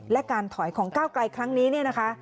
และการถอยของก้าวไกลครั้งนี้เนี่ยนะคะ